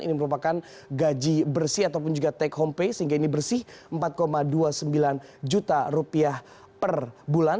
ini merupakan gaji bersih ataupun juga take home pay sehingga ini bersih empat dua puluh sembilan juta rupiah per bulan